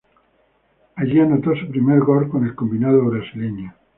Allí anotó su primer gol con el combinado brasileño.